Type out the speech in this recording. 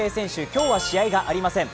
今日は試合がありません。